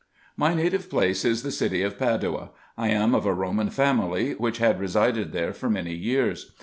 My native place is the city of Padua: I am of a Roman family, which had resided there for many years.